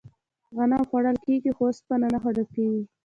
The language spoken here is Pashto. غنم خوړل کیږي خو اوسپنه نه خوړل کیږي.